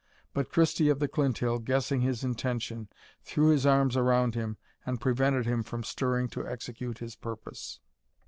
But Christie of the Clinthill, guessing his intention, threw his arms around him, and prevented him from stirring to execute his purpose.